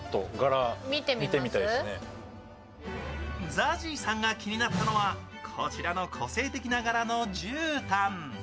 ＺＡＺＹさんが気になったのはこちらの個性的な柄のじゅうたん。